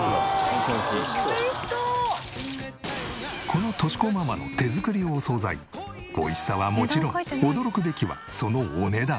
この敏子ママの手作りお惣菜美味しさはもちろん驚くべきはそのお値段。